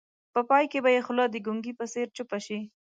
په پای کې به یې خوله د ګونګي په څېر چپه شي.